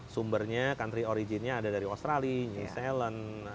sumbernya country origin nya ada dari australia new zealand